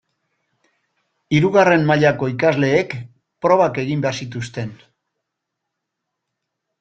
Hirugarren mailako ikasleek probak egin behar zituzten.